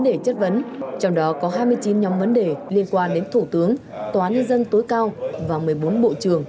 đề chất vấn trong đó có hai mươi chín nhóm vấn đề liên quan đến thủ tướng tòa nhân dân tối cao và một mươi bốn bộ trưởng